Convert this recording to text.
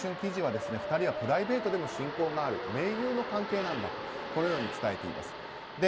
記事は２人はプライベートでも親交がある盟友の関係なんだと伝えています。